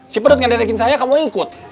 si pedut yang ledakin saya kamu ikut